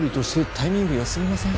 タイミング良すぎません？